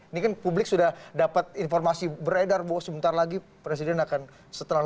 ini kan publik sudah dapat informasi beredar bahwa sebentar lagi presiden akan setelah